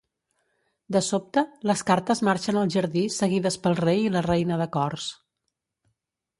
De sobte, les cartes marxen al jardí seguides pel rei i la reina de cors.